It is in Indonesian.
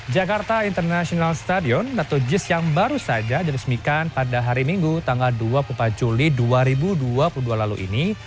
jakarta international stadion atau jis yang baru saja diresmikan pada hari minggu tanggal dua puluh empat juli dua ribu dua puluh dua lalu ini